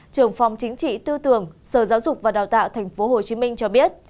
trưởng phòng chính trị tư tưởng sở giáo dục và đào tạo tp hcm cho biết